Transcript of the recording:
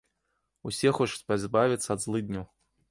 Усе хочуць пазбавіцца ад злыдняў.